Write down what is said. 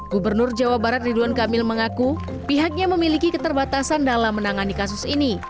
gubernur jawa barat ridwan kamil mengaku pihaknya memiliki keterbatasan dalam menangani kasus ini